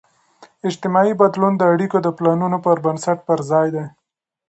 اجتماعي بدلون د اړیکو د پلانون پر بنسټ پرځای دی.